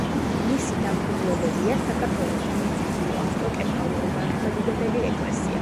მისი დამფუძნებელია საქართველოს სამოციქულო ავტოკეფალური მართლმადიდებელი ეკლესია.